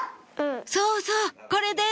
そうそうこれです！